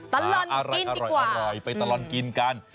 ตลอดกินอร่อยไปตลอดกินกัน